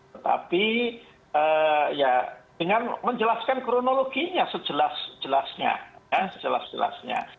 tetapi ya dengan menjelaskan kronologinya sejelas jelasnya sejelas jelasnya